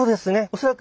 恐らく